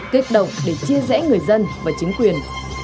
kích động để chia rẽ người dân và chính quyền